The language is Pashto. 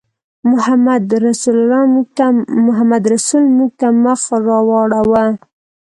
محمدرسول موږ ته مخ راواړاوه.